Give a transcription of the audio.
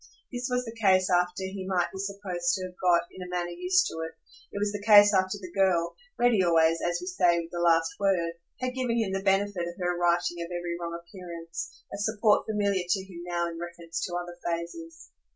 This was the case after he might be supposed to have got, in a manner, used to it; it was the case after the girl ready always, as we say, with the last word had given him the benefit of her righting of every wrong appearance, a support familiar to him now in reference to other phases.